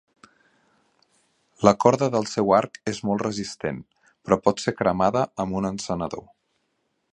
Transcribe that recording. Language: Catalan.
La corda del seu arc és molt resistent, però pot ser cremada amb un encenedor.